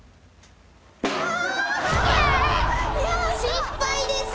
失敗です。